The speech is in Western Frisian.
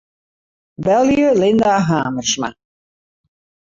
Belje Linda Hamersma.